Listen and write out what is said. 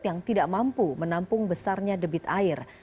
yang tidak mampu menampung besarnya debit air